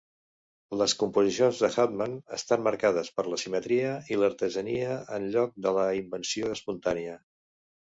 Les composicions de Hauptmann estan marcades per la simetria i l'artesania en lloc de la invenció espontània.